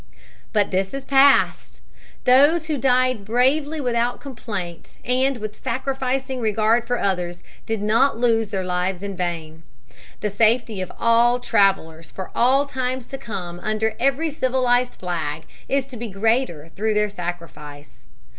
But this is past. Those who died bravely without complaint and with sacrificing regard for others did not lose their lives in vain. The safety of all travelers for all times to come under every civilized flag is to be greater through their sac rifice.